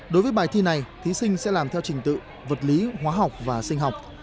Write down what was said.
đối với bài thi này thí sinh sẽ làm theo trình tự vật lý hóa học và sinh học